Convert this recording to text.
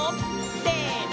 せの！